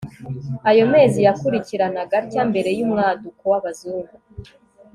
ayo mezi yakurikiranaga atya mbere y'umwaduko w'abazungu